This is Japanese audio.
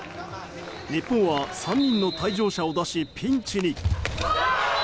日本は３人の退場者を出しピンチに。